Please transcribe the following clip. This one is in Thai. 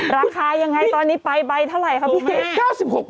ราคายังไงตอนนี้ไปใบเท่าไหร่ครับพี่เกด